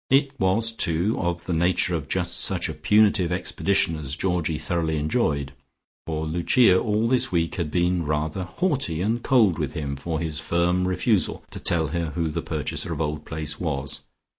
It was, too, of the nature of just such a punitive expedition as Georgie thoroughly enjoyed, for Lucia all this week had been rather haughty and cold with him for his firm refusal to tell her who the purchaser of Old Place was.